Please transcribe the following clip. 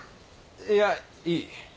いやいい。